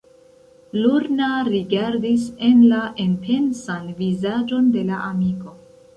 Lorna rigardis en la enpensan vizaĝon de la amiko.